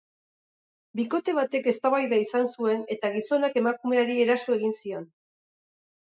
Bikote batek eztabaida izan zuen, eta gizonak emakumeari eraso egin zion.